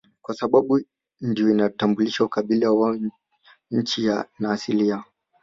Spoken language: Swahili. Kwasababu ndio inayotambulisha ukabila wao wa nchi na asili yao